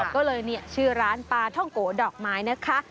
ก็เลยชื่อร้านปลาท่องโกดอกไม้นะคะ